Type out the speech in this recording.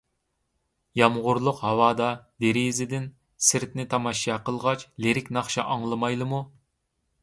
يامغۇرلۇق ھاۋادا دېرىزىدىن سىرتنى تاماشا قىلغاچ لىرىك ناخشا ئاڭلىمايلىمۇ؟